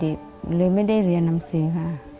หรือไม่ได้เรียนหนังสือค่ะ